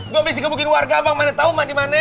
gua abis dikepukin warga bang mana tau emak dimana